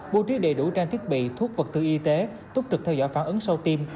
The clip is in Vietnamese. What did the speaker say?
bố trí đầy đủ trang thiết bị thuốc vật tư y tế túc trực theo dõi phản ứng sau tiêm